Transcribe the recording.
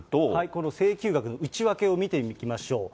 この請求額の内訳を見ていきましょう。